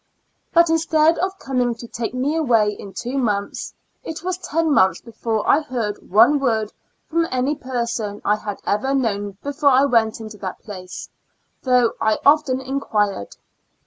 But instead of coming to take me away in two months, it was ten months before I heard one word from any person I had ever known before I went to that place, though I often enquired.